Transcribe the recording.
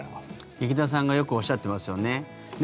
劇団さんがよくおっしゃっていますよね。